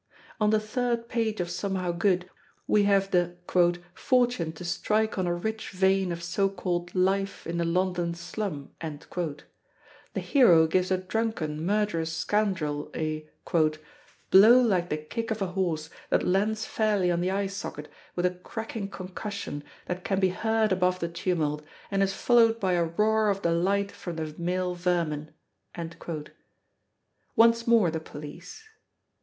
On the third page of Somehow Good, we have the "fortune to strike on a rich vein of so called life in a London slum." The hero gives a drunken, murderous scoundrel a "blow like the kick of a horse, that lands fairly on the eye socket with a cracking concussion that can be heard above the tumult, and is followed by a roar of delight from the male vermin." Once more the police.